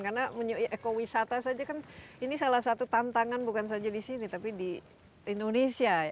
karena ekowisata saja kan ini salah satu tantangan bukan saja di sini tapi di indonesia